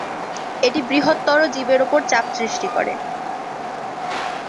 এটি বৃহত্তর জীবের উপর চাপ সৃষ্টি করে।